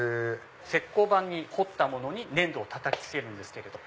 石こう板に彫ったものに粘土をたたきつけるんです。